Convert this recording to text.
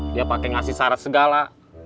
dia pakai ngasih syarat segala